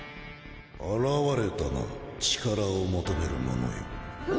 現れたな力を求める者よ